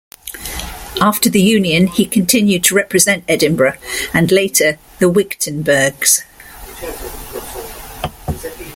After the union he continued to represent Edinburgh, and later the Wigtown burghs.